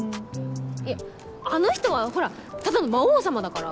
いやあの人はほらただの魔王様だから。